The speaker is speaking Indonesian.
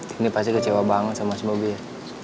tini pasti kecewa banget sama si bubi ya